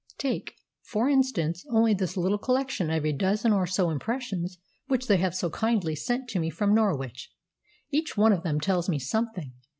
"Take, for instance, only this little collection of a dozen or so impressions which they have so kindly sent to me from Norwich. Each one of them tells me something.